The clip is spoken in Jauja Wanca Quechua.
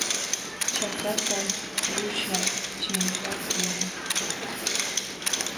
Chakatam uusha chimpaqlun.